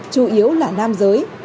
chủ yếu là nam giới